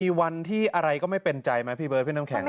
มีวันที่อะไรก็ไม่เป็นใจไหมพี่เบิร์ดพี่น้ำแข็ง